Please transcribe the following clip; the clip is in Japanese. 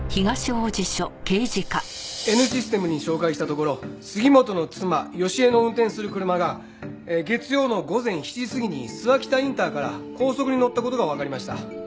Ｎシステムに照会したところ杉本の妻好江の運転する車が月曜の午前７時過ぎに諏訪北インターから高速に乗った事がわかりました。